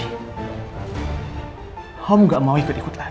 aku gak mau ikut ikut lagi